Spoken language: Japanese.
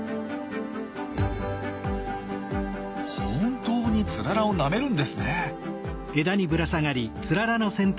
本当にツララをなめるんですね。